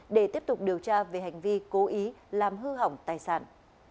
để tiếp tục điều tra về hành vi cố ý làm hư hỏng tài sản